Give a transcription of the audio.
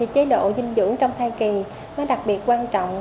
chế độ dinh dưỡng trong thai kỳ đặc biệt quan trọng